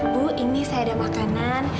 bu ini saya ada makanan